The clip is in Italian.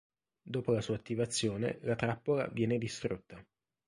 Dopo la sua attivazione la trappola viene distrutta.